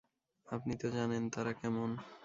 আপনি তো জানেন তারা কেমন?